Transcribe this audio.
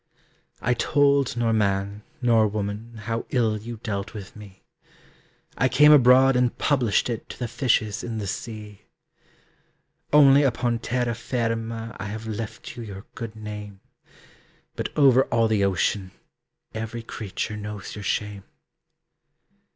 I told nor man, nor woman How ill you dealt with me; I came abroad and published it To the fishes in the sea. Only upon terra firma I have left you your good name; But over all the ocean Every creature knows your shame.